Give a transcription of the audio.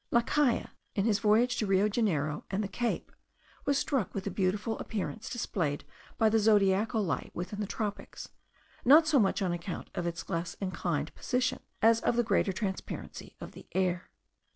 La Caille, in his voyage to Rio Janeiro and the Cape, was struck with the beautiful appearance displayed by the zodiacal light within the tropics, not so much on account of its less inclined position, as of the greater transparency of the air.